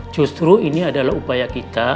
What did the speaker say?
justru ini adalah upaya kita